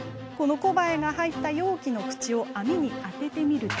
コバエが入った容器の口を網に当ててみると。